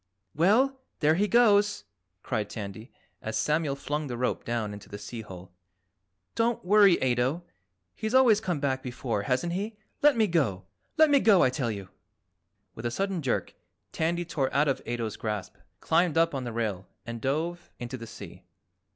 "Well, there he goes!" cried Tandy as Samuel flung the rope down into the sea hole. "Don't worry, Ato, he's always come back before, hasn't he? Let me go! Let me go, I tell you!" With a sudden jerk Tandy tore out of Ato's grasp, climbed up on the rail and dove into the sea.